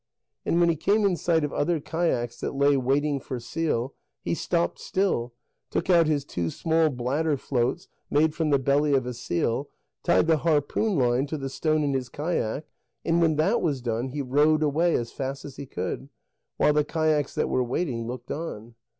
And when he came in sight of other kayaks that lay waiting for seal, he stopped still, took out his two small bladder floats made from the belly of a seal, tied the harpoon line to the stone in his kayak, and when that was done, he rowed away as fast as he could, while the kayaks that were waiting looked on.